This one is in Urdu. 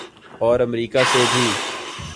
اور امریکہ سے بھی۔